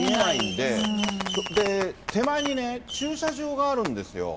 で、手前にね、駐車場があるんですよ。